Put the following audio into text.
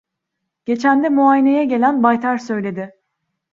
Geçende muayeneye gelen baytar söyledi…